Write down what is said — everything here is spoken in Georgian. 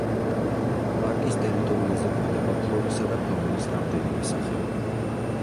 პარკის ტერიტორიაზე გვხვდება ფლორისა და ფაუნის რამდენიმე სახეობა.